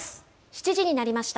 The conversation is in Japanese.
７時になりました。